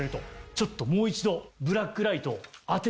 ちょっともう一度ブラックライトを当ててみたい。